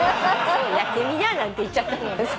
「やってみな」なんて言っちゃった。